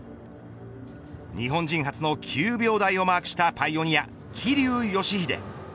日本人初の９秒台をマークしたパイオニア桐生祥秀。